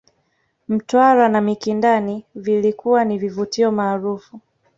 Mtwara na Mikindani vilikuwa ni vituo maarufu